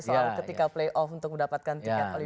soal ketika play off untuk mendapatkan tiket olibari